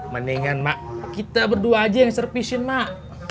mendingan mak kita berdua aja yang servision mak